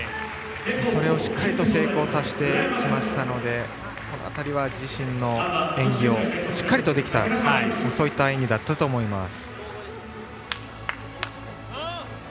それをしっかりと成功させてきましたのでこの辺りは自身の演技をしっかりできたとそういった演技だったと思います。